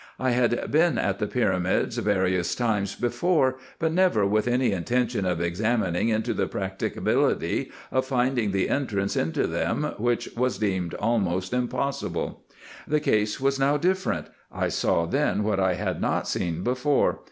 I had been at the pyramids various times before, but never with any intention of examining into the practicability of finding the entrance into them, which was deemed almost impossible. The case was now different, — I saw then what I had not seen before.